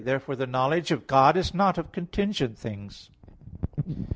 Therefore the knowledge of God is not of contingent things.